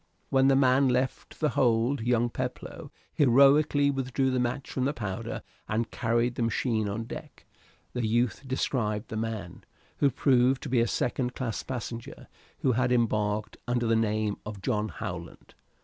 When the man left the hold young Peploe heroically withdrew the match from the powder and carried the machine on deck. The youth described the man, who proved to be a second class passenger, who had embarked under the name of John Howland.